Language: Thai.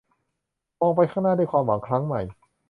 มองไปข้างหน้าด้วยความหวังครั้งใหม่